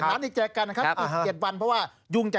ยุงจะไขในเจ่ากันฮะ